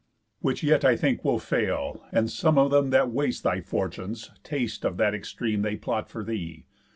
Which yet I think will fail, and some of them That waste thy fortunes taste of that extreme They plot for thee.